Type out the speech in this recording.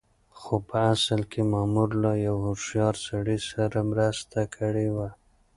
خو په اصل کې مامور له يوه هوښيار سړي سره مرسته کړې وه.